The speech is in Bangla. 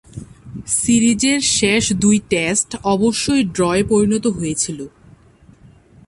সিরিজের শেষ দুই টেস্ট অবশ্য ড্রয়ে পরিণত হয়েছিল।